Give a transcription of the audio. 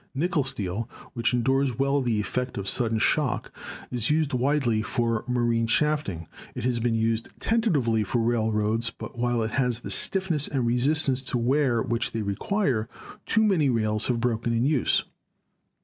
Nickel steel, which endures well the effect of sudden shock, is used widely for marine shafting. It has been used tentatively for railroad rails, but while it has the stiffness and resistance to wear which they require, too many rails have broken in use.